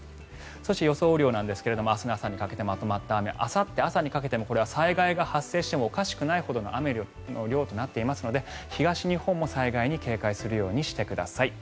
そして予想雨量なんですが明日の朝にかけてまとまった雨あさって朝にかけてもこれは災害が発生してもおかしくないほどの雨の量となっていますので東日本も災害に警戒するようにしてください。